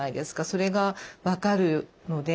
それが分かるので。